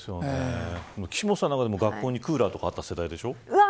岸本さんは学校にクーラーがあった世代でしょ。